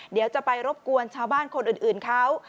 เดี๋ยวจะไปรบกวนชาวบ้านคนอื่นเขา